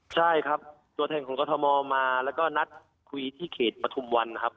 ใช่ครับตัวแทนของกรทมมาแล้วก็นัดคุยที่เขตปฐุมวันนะครับ